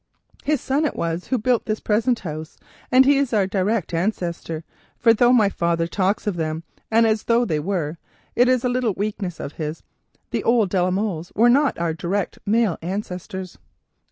His son it was who built this present house, and he is our direct ancestor, for though my father talks of them as though they were—it is a little weakness of his—the old de la Molles are not our direct male ancestors."